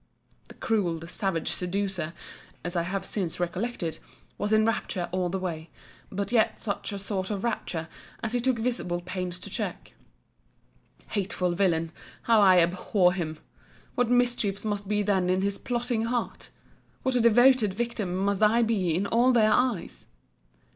The cruel, the savage seducer (as I have since recollected) was in a rapture all the way; but yet such a sort of rapture, as he took visible pains to check. Hateful villain! how I abhor him!—What mischief must be then in his plotting heart!—What a devoted victim must I be in all their eyes!